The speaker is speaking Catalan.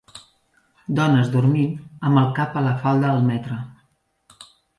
Dones dormint amb el cap a la falda al metre.